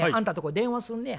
電話すんねや。